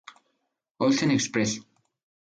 Olsen Express.